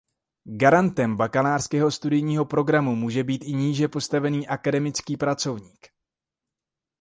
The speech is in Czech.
Garantem bakalářského studijního programu může být i níže postavený akademický pracovník.